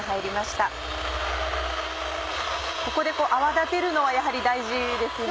ここで泡立てるのはやはり大事ですね。